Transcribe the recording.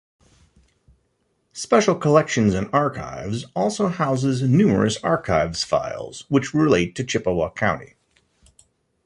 Special Collections and Archives also houses numerous archives files which relate to Chippewa County.